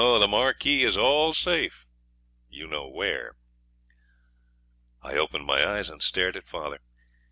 the Marquis is all safe you know where.' I opened my eyes and stared at father.